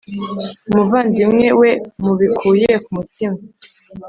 Umuvandimwe we mubikuye ku mutima